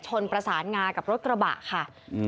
ชนประสานงากับรถกระบะค่ะ